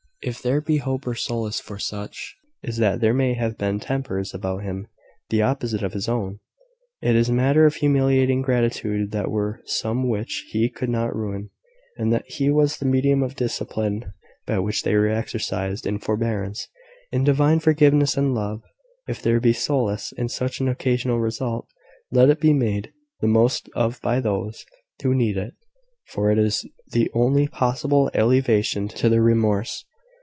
If there be hope or solace for such, it is that there may have been tempers about him the opposite of his own. It is matter of humiliating gratitude that there were some which he could not ruin; and that he was the medium of discipline by which they were exercised in forbearance, in divine forgiveness and love. If there be solace in such an occasional result, let it be made the most of by those who need it; for it is the only possible alleviation to their remorse.